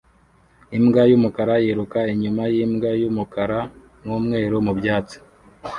imbwa yumukara yiruka inyuma yimbwa yumukara numweru mubyatsi